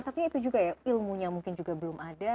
maksudnya itu juga ya ilmunya mungkin juga belum ada